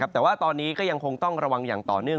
แต่ว่าตอนนี้ก็ยังคงต้องระวังอย่างต่อเนื่อง